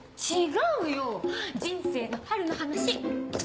違うよ人生の春の話！